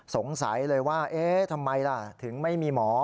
สงสัยเลยว่าเอ๊ะทำไมล่ะถึงไม่มีหมอ